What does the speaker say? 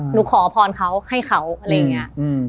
ขอพรเขาให้เขาอะไรอย่างนี้